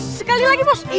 sekali lagi bos